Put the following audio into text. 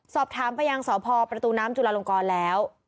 สอบถามไปยังสพประตูน้ำจุลาลงกรแล้ว